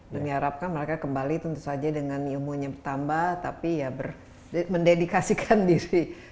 dan diharapkan mereka kembali tentu saja dengan ilmunya bertambah tapi ya mendedikasikan diri